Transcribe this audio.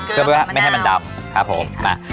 เพื่อไม่ให้มันดำครับผม